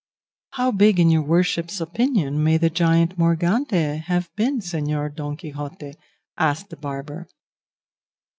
"How big, in your worship's opinion, may the giant Morgante have been, Señor Don Quixote?" asked the barber.